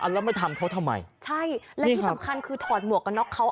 แล้วไม่ทำเขาทำไมใช่และที่สำคัญคือถอดหมวกกันน็อกเขา